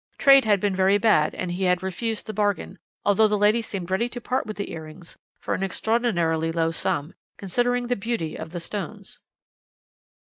Trade had been very bad, and he had refused the bargain, although the lady seemed ready to part with the earrings for an extraordinarily low sum, considering the beauty of the stones.